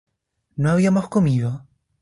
¿no habíamos comido?